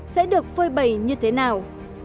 sẽ được phơi bầy như thế nào